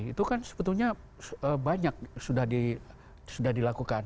itu kan sebetulnya banyak sudah dilakukan